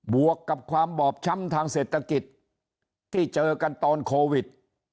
วกกับความบอบช้ำทางเศรษฐกิจที่เจอกันตอนโควิด